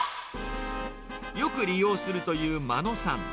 よく利用するという真野さん。